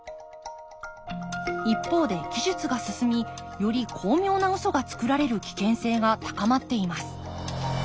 一方で技術が進みより巧妙なウソがつくられる危険性が高まっています。